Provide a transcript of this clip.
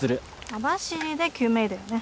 網走で救命医だよね？